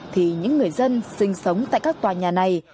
thì những người dân sinh sống tại các tòa nhà này